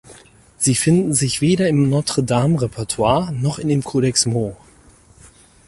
Sie finden sich weder im Notre-Dame-Repertoire noch in dem Codex Mo.